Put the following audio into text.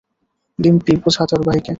ডিম্পি, বোঝা তোর ভাইকে।